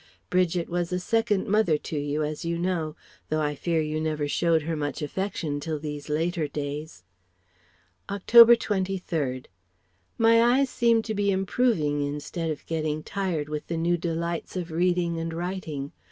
Bridget was a second mother to you as you know, though I fear you never showed her much affection till these later days. October 23. My eyes seem to be improving instead of getting tired with the new delights of reading and writing.